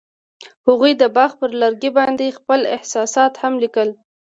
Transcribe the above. هغوی د باغ پر لرګي باندې خپل احساسات هم لیکل.